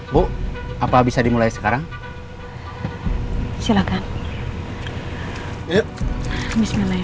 bu aku mau nggak ontaya